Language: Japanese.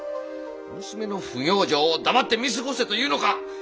娘の不行状を黙って見過ごせと言うのか！？